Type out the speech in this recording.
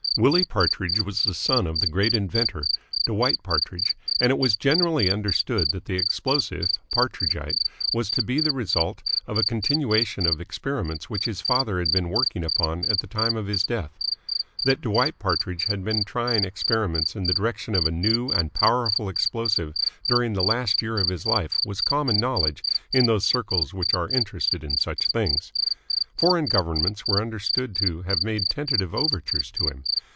Willie Partridge was the son of the great inventor, Dwight Partridge, and it was generally understood that the explosive, Partridgite, was to be the result of a continuation of experiments which his father had been working upon at the time of his death. That Dwight Partridge had been trying experiments in the direction of a new and powerful explosive during the last year of his life was common knowledge in those circles which are interested in such things. Foreign governments were understood to have made tentative overtures to him.